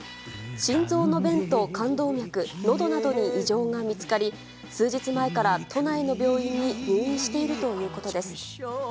心臓の弁と冠動脈、のどなどに異常が見つかり、数日前から都内の病院に入院しているということです。